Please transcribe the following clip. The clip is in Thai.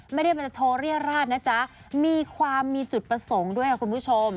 ไม่ได้มันจะโชว์เรียราชนะจ๊ะมีความมีจุดประสงค์ด้วยค่ะคุณผู้ชม